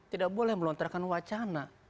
tidak boleh melontarkan wacana